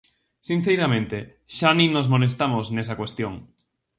Sinceiramente, xa nin nos molestamos nesa cuestión.